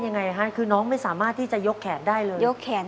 ยังไงฮะคือน้องไม่สามารถที่จะยกแขนได้เลยยกแขน